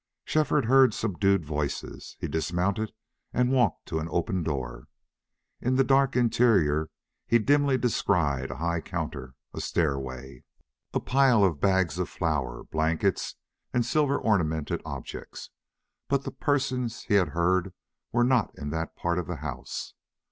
Shefford heard subdued voices. He dismounted and walked to an open door. In the dark interior he dimly descried a high counter, a stairway, a pile of bags of flour, blankets, and silver ornamented objects, but the persons he had heard were not in that part of the house.